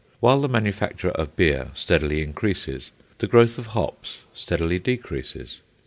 While the manufacture of beer steadily increases, the growth of hops steadily decreases.